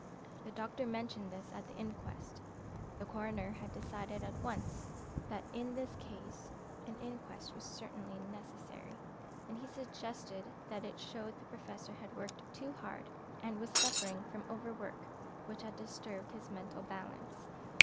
The doctor mentioned this at the inquest the coroner had decided at once that in this case an inquest was certainly necessary and he suggested that it showed the Professor had worked too hard and was suffering from overwork which had disturbed his mental balance.